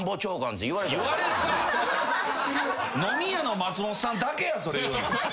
飲み屋の松本さんだけやそれ言うの。